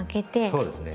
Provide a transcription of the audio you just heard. そうですね。